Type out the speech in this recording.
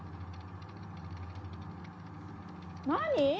何？